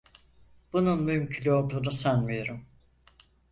Bunun mümkün olduğunu sanmıyorum.